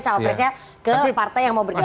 cawapresnya ke partai yang mau bergabung